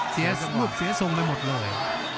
เสียทรงไปหมดเลย